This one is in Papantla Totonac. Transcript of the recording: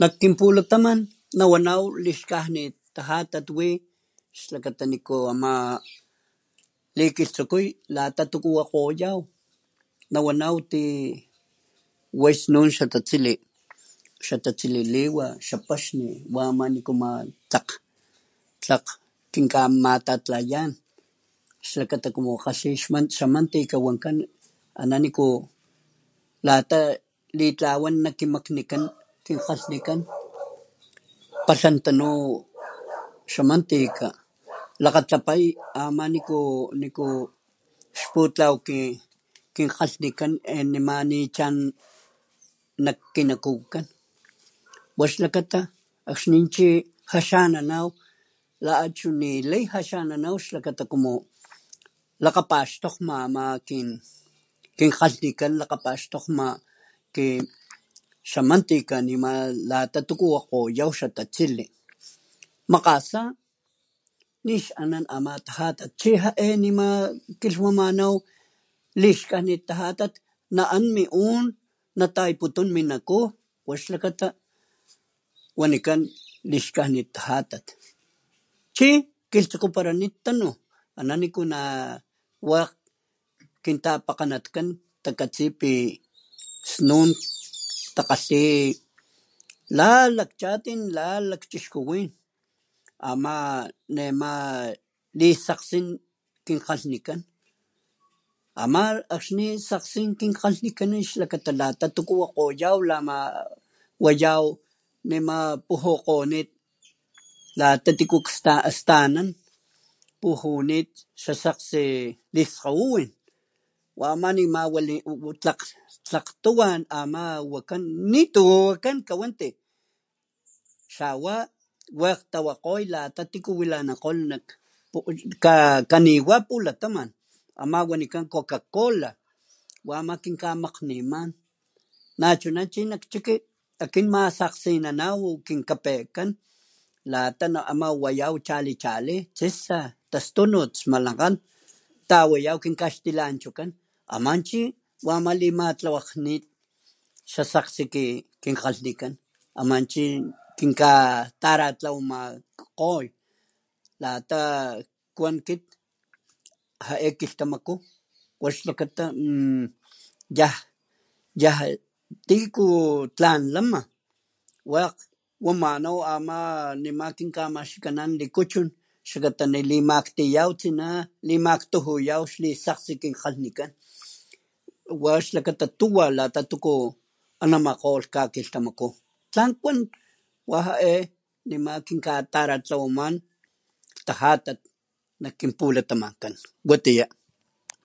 Nak kinpulataman nawanaw lixkajnit tajatat wi xlakata niku ama likilhtsukuy lata tuku wakgoyaw, nawanaw ti way snun xatatsili, xatatsili liwa xa paxni wama niku ama tlakg tlakg kinkamatatlayan xlakata como kgalhi xa mantika wankan ana niku lata litlawan nak kimaknikan kin kgalhnikan palhantanu xa mantika lakgatlapay ama niku, niku xputlaw kin kgalhnikan e nima ni chan nak kinakukan, wa xlakata akxni chi jaxananaw la achu nilay jaxananaw xlakata como lakgapaxtokgma ama kin kgalhnikan lakgapaxtokgma kin xa mantika nima lata tuku wakgoyaw xa tatsili. Makgasa nix anan ama tajatat chi ja'e nima kilhwamanaw lixkajnit tajatat na'an mi un natayaputun mi naku wa xlakata wanikan lixkajnit tajatat chi kilhtsukupalanit tunu, ana niku na wakg kintapakganatkan takatsi pi snun takgalhi la lakchatin la lakchixkuwin ama nema lisakgsin kin kgalhnikan, ama akxni sakgsin kin kgalhnikan xlakata lata tuku wakgoyaw lama wayaw nema pujukgonit lata tiku sta stanan pujunit xa sakgsi liskgawiwin wama nima walikan tlag, tlakg tuwa wa ama wakan nituwa wakan kawanti xawa wakg tawakgoy lata tiku wilanankgolh nak pukgo ka kaniwa pulataman ama wanikan coca cola wama kin kamakgniman nachuna chi nak chiki akin masakgsinanaw kin kapejkan lata aman wayaw chali, chali tsisa, tastunut, smalankgan tawayaw kinkaxtilanchokan ama chi wama limatlawakglhnit xa sakgsi ki kinkgalhnikan ama chi kintaratlawamakgoy latakuan kit ja'e kilhtamaku wa xlata mmm... yaj, yaj tiku tlan lama wekg wamanaw ama nema kinkamaxkikanan likuchun xlakata nalimaktiyaw tsina limaktujuyaw tsina xa sakgsi kin kgalhnikan wa xlakata tuwa lata tuku anamankgolh kakilhtamaku, tlan kuan wa ja'e nema kinkatalatlawaman tajatat nak kin pulatamankan. watiya.